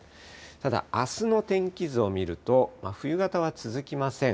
ただあすの天気図を見ると、冬型は続きません。